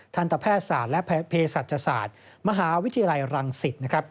ทันตแพทย์ศาสตร์และเพชรศาสตร์มหาวิทยาลัยรังศิษฐ์